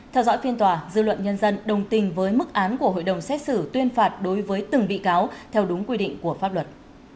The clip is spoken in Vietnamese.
theo dõi phiên tòa dư luận nhân dân đồng tình với mức án của hội đồng xét xử tuyên phạt đối với từng bị cáo theo đúng quy định của pháp luật